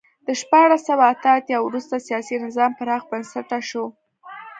له شپاړس سوه اته اتیا وروسته سیاسي نظام پراخ بنسټه شو.